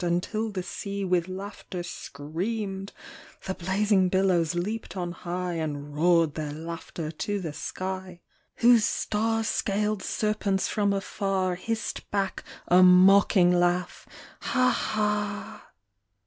Until the sea with laughter screamed ; The blazing billows leaped on high And roared their laughter to the sky, HASHEESH VISIONS. 25 Whose star scaled serpents from afar Hissed back a mocking laugh, " Ha, ha